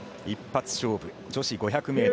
一発勝負、女子５００ｍ。